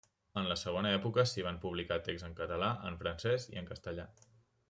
En la segona època s’hi van publicar texts en català, en francès i en castellà.